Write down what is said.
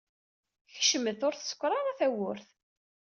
Kecmet. Ur tsekkeṛ ara tewwurt.